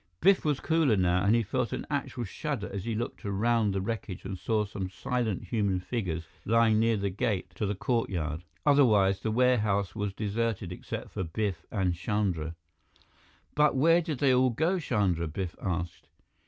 Biff was cooler now, and he felt an actual shudder as he looked around at the wreckage and saw some silent human figures lying near the gate to the courtyard. Otherwise, the warehouse was deserted, except for Biff and Chandra. "But where did they all go, Chandra?" Biff asked.